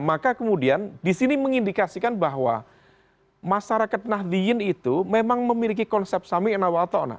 maka kemudian di sini mengindikasikan bahwa masyarakat nahdiyin itu memang memiliki konsep sami'in awal ta'na